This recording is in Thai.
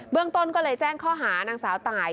เรื่องต้นก็เลยแจ้งข้อหานางสาวตาย